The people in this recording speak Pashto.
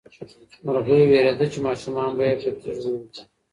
مرغۍ وېرېده چې ماشومان به یې په تیږو وولي.